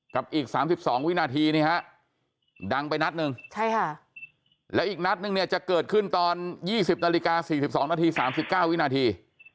กับอีกสามสิบสองวินาทีนี่ฮะดังไปนัดหนึ่งใช่ค่ะแล้วอีกนัดหนึ่งเนี่ยจะเกิดขึ้นตอนยี่สิบนาฬิกาสี่สิบสองนาทีสามสิบเก้าวินาที